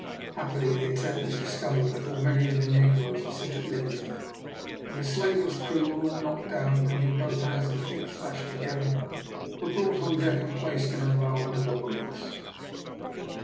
Happily the attempt was discovered before many of the negroes were set at liberty, and the slaver's crew were all knocked down and, having both hands and feet lashed together, were brought on deck and placed in a row under the bulwarks.